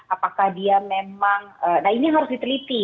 apakah dia memang nah ini harus diteliti